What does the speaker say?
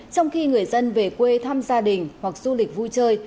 trong khi người dân về quê thăm gia đình hoặc du lịch vui chơi